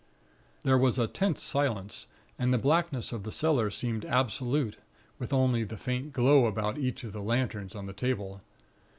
"There was a tense silence, and the blackness of the cellar seemed absolute, with only the faint glow about each of the lanterns on the table.